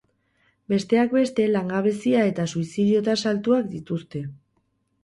Besteak beste, langabezia eta suizidio tasa altuak dituzte.